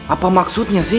apa maksudnya sih